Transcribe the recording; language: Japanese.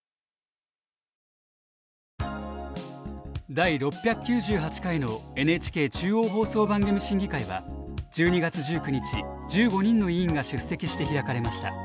第６９８回のＮＨＫ中央放送番組審議会は１２月１９日１５人の委員が出席して開かれました。